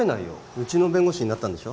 うちの弁護士になったんでしょ？